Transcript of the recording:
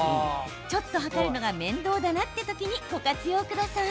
ちょっと量るのが面倒だなって時にご活用ください。